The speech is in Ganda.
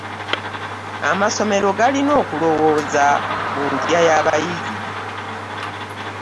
Amasomero galina okulowooza ku ndya y'abayizi.